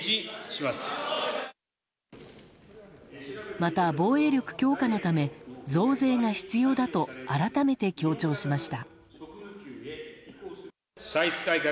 また防衛力強化のため増税が必要だと改めて強調しました。